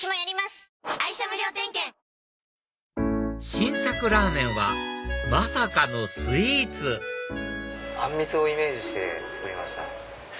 ⁉新作ラーメンはまさかのスイーツあん蜜をイメージして作りました。